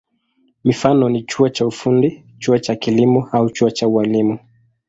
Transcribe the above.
Mifano ni chuo cha ufundi, chuo cha kilimo au chuo cha ualimu.